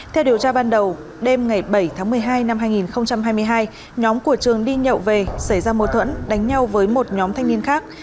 theo điều tra ban đầu đêm ngày bảy tháng một mươi hai năm hai nghìn hai mươi hai nhóm của trường đi nhậu về xảy ra mô thuẫn đánh nhau với một nhóm thanh niên khác